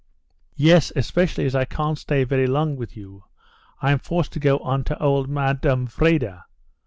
"Yes, especially as I can't stay very long with you. I'm forced to go on to old Madame Vrede.